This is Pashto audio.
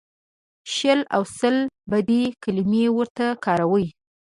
شل او سل بدې کلمې ورته کاروي.